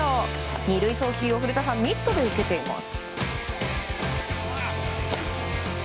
２塁送球を古田さんミットで受けています。